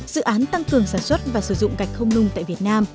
dự án tăng cường sản xuất và sử dụng gạch không nung tại việt nam